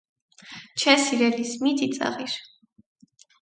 - Չէ, սիրելիս, մի ծիծաղիր.